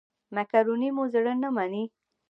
مېکاروني مو زړه نه مني.